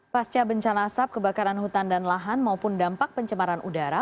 pasca bencana asap kebakaran hutan dan lahan maupun dampak pencemaran udara